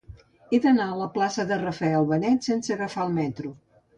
He d'anar a la plaça de Rafael Benet sense agafar el metro.